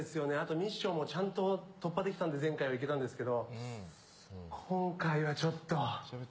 ミッションもちゃんと突破できたんで前回は行けたんですけど。